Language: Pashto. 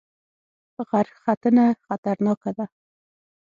غرختنه خطرناکه ده؟